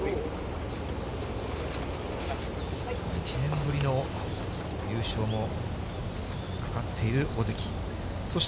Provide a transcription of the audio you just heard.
１年ぶりの優勝もかかっている尾関。